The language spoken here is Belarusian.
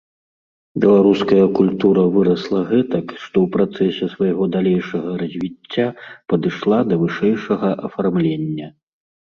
Беларуская культура вырасла гэтак, што ў працэсе свайго далейшага развіцця падышла да вышэйшага афармлення.